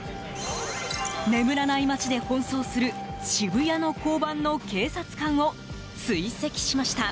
眠らない街で奔走する、渋谷の交番の警察官を追跡しました。